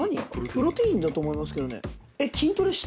プロテインだと思いますけどね